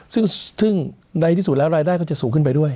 ซึ่งในที่สุดแล้วรายได้ก็จะสูงขึ้นไปด้วย